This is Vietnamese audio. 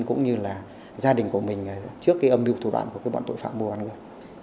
cũng như là gia đình của mình trước âm nhục thủ đoạn của bọn tội phạm mua bán người